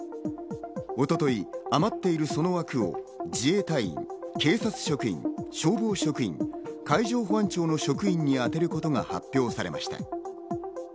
一昨日、余っているその枠を自衛隊員、警察職員、消防職員、海上保安庁の職員に当てることが発表されました。